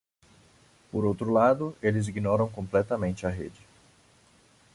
Por outro lado, eles ignoram completamente a rede.